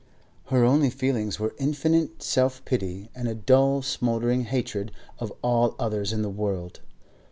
Her only feelings were infinite self pity and a dull smouldering hatred of all others in the world.